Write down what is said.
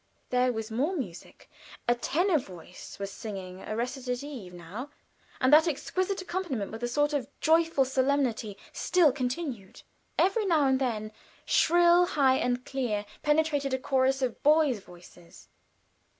There was more music. A tenor voice was singing a recitative now, and that exquisite accompaniment, with a sort of joyful solemnity, still continued. Every now and then, shrill, high, and clear, penetrated a chorus of boys' voices.